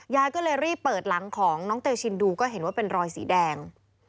ยายก็เลยรีบเปิดหลังของน้องเตชินดูก็เห็นว่าเป็นรอยสีแดง